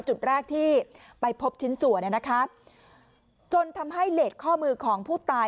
จุดแรกที่ไปพบชิ้นสวนจนทำให้เหล็กข้อมือของผู้ตาย